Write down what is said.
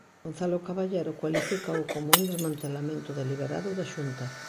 Gonzalo Caballero cualifícao como un desmantelamento deliberado da Xunta.